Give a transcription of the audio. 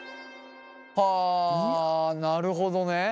はあなるほどね。